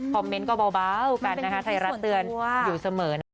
เมนต์ก็เบากันนะคะไทยรัฐเตือนอยู่เสมอนะคะ